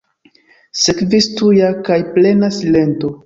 Sekvis tuja kaj plena silento.